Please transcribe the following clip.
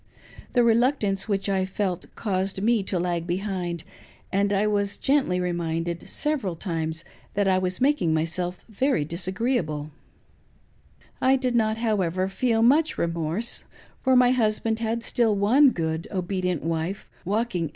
The reluctance which I felt caused me to lag behind.'and I was gently reminded several times that I was making myself very disagreeable. I did not, however, feel much remorse, for my husband had still one good, obedient wife walking at his POLYGAMY IN LOW LIFE:— THE POOR MAN'S FAMILY.